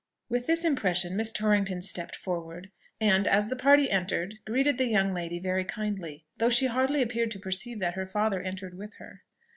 With this impression, Miss Torrington stepped forward, and, as the party entered, greeted the young lady very kindly: though she hardly appeared to perceive that her father entered with her.